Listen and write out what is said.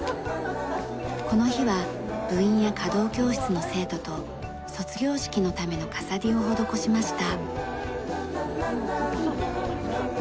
この日は部員や華道教室の生徒と卒業式のための飾りを施しました。